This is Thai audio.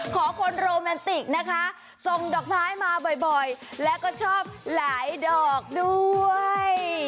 ขอคนโรแมนติกนะคะส่งดอกไม้มาบ่อยแล้วก็ชอบหลายดอกด้วย